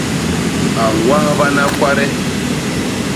A ñwahbana kwade.